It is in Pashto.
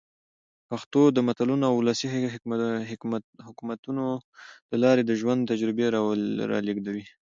پښتو د متلونو او ولسي حکمتونو له لاري د ژوند تجربې را لېږدوي.